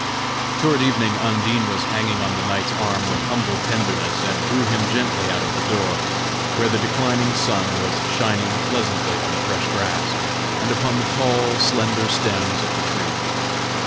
Toward evening Undine was hanging on the knight's arm with humble tenderness, and drew him gently out of the door, where the declining sun was shining pleasantly on the fresh grass, and upon the tall, slender stems of the trees.